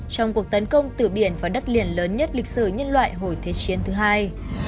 trong cuộc tấn công từ biển vào đất liền lớn nhất lịch sử nhân loại hồi thế chiến thứ hai